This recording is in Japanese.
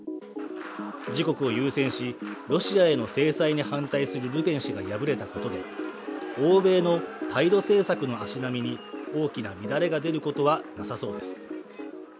自国を優先しロシアへの制裁に反対するルペン氏が敗れたことで、欧米の対ロ政策の足並みに大きな乱れが出ることはなさそうです。